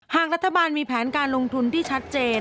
หากรัฐบาลมีแผนการลงทุนที่ชัดเจน